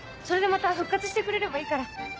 それでまた復活してくれればいいから。